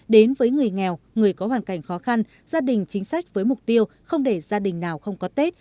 đến với người nghèo người có hoàn cảnh khó khăn gia đình chính sách với mục tiêu không để gia đình nào không có tết